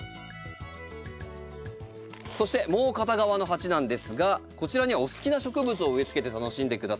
そしてもう片側の鉢なんですがこちらにはお好きな植物を植え付けて楽しんでください。